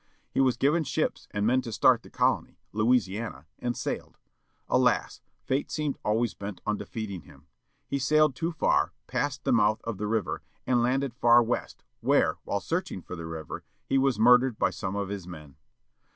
He was given ships, and men to start the colony, â Louisiana â and sailed. Alas, fate seemed always bent on defeating him. He sailed too far, passed the mouth of the river, and landed far west, where, while searching for the river, he was murdered by some of his men.